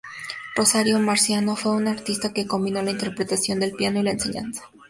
Rosario Marciano fue una artista que combinó la interpretación del piano y la enseñanza.